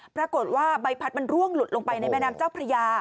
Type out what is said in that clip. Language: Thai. ปรากฏว่าใบพัดมันร่วงหลุดลงไปในแม่น้ำเจ้าพระยา